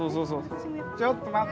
ちょっと待って。